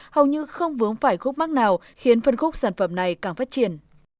hầu như không vướng phải khúc mắc nào khiến phân khúc sản phẩm này càng phát triển